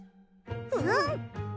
うん！